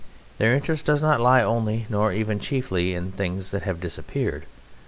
Their interest does not lie only nor even chiefly in things that have disappeared.